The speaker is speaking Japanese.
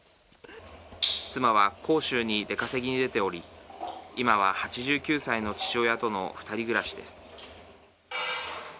妻は広州に出稼ぎに出ており今は８９歳の父親との二人暮らしです。